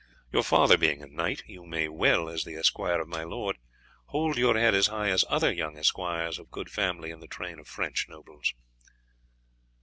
Your father being a knight, you may well, as the esquire of my lord, hold your head as high as other young esquires of good family in the train of French nobles."